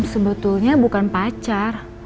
sebetulnya bukan pacar